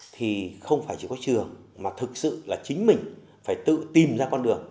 thì không phải chỉ có trường mà thực sự là chính mình phải tự tìm ra con đường